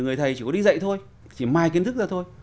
người thầy chỉ có đi dạy thôi chỉ mài kiến thức ra thôi